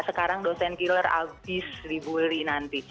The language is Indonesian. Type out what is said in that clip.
sekarang dosen killer abis dibully nanti